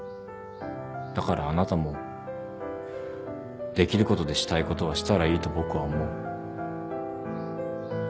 だからあなたもできることでしたいことはしたらいいと僕は思う。